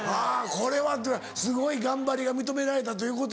これはすごい頑張りが認められたということか。